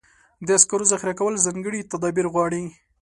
د سکرو ذخیره کول ځانګړي تدابیر غواړي.